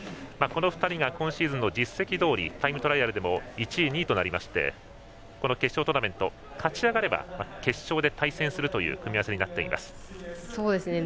この２人が今シーズンの実績どおりタイムトライアルでも１位、２位となりまして決勝トーナメント勝ち上がれば決勝で対戦するという組み合わせになっています。